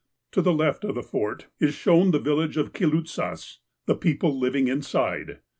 To the left of the Fort is shown the village of the Kitlootsahs (the people living inside).